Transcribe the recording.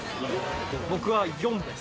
僕は４です。